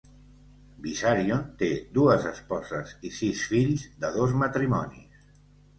Vissarion té dues esposes i sis fills de dos matrimonis.